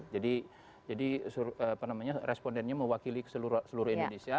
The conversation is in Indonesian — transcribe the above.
jadi respondennya mewakili seluruh indonesia